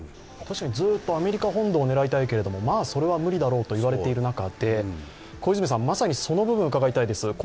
確かにずっとアメリカ本土を狙いたいけれども、まあ、それは無理だろうと言われている中でまさにその部分を伺いたいです。